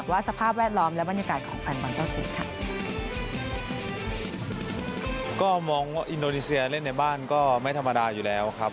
ก็มองฮอล์อินโดนีเซียเล่นในบ้านไม่ธรรมดาอยู่แล้วครับ